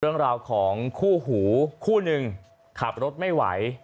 เรื่องราวของคู่หูคู่หนึ่งขับรถไม่ไหว